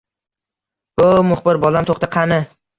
Ho`o`, muxbir bolam, to`xta qani